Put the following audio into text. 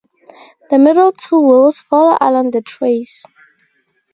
The middle two wheels follow along the trays.